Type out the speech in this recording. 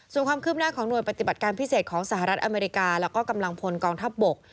ส่งความคลิบหน้าของนวลปฏิบัติการพิเศษของอเมริกาและกำลังพลกองทัพบก